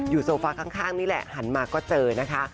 โซฟาข้างนี่แหละหันมาก็เจอนะคะ